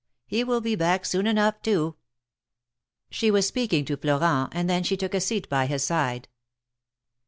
He will be back soon enough, too !" She was speaking to Florent, and then she took a seat by his side.